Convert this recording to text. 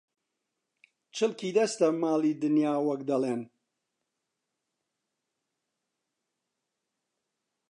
«چڵکی دەستە ماڵی دنیا» وەک دەڵێن